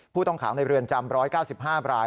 ผู้ต้องขังในเรือนจำ๑๙๕ราย